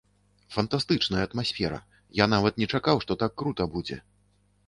Фантастычная атмасфера, я нават не чакаў, што так крута будзе!